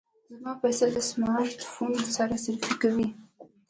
زما پسه د سمارټ فون سره سیلفي کوي.